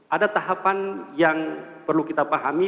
ada tahapan yang perlu kita pahami